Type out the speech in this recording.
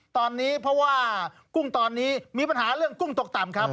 ตอนนี้เพราะว่ากุ้งตอนนี้มีปัญหาเรื่องกุ้งตกต่ำครับ